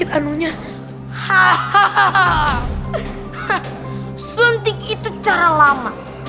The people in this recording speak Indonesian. suntik itu cara lama